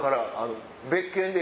別件で。